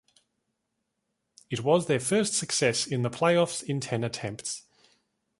It was their first success in the play-offs in ten attempts.